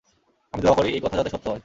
আমি দোয়া করি এই কথা যাতে সত্য হয়।